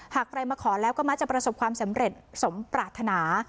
หากใครมาขอแล้วก็มักจะประสบความสำเร็จสมปรารถนา